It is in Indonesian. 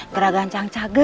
kurang ajar kau